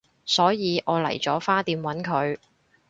所以我嚟咗花店搵佢